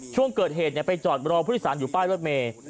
ช่วงเกิดเหตุเนี่ยไปจอดรอพุทธศาลอยู่ป้ายรถเมฆ